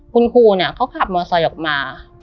คุณครูเนี่ยเขาขับมอไซค์ออกมา